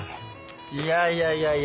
いやいやいやいや。